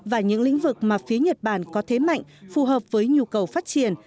và những lĩnh vực mà phía nhật bản có thế mạnh phù hợp với nhu cầu phát triển